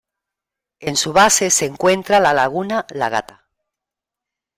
En su base se encuentra la Laguna La Gata.